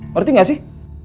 ngerti gak sih